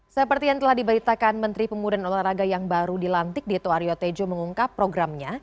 seperti yang telah diberitakan menteri pemudian olahraga yang baru dilantik di tuario tejo mengungkap programnya